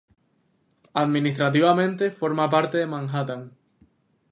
Administrativamente forma parte de Manhattan.